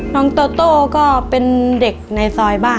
น้องโตโต้ก็เป็นเด็กในซอยบ้าน